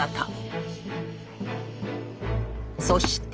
そして。